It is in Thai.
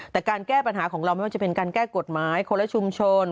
แต่การแก้ปัญหาของเราไม่ว่าจะเป็นการแก้กฎหมายคนละชุมชน